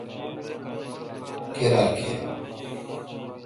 کیرا کیر۔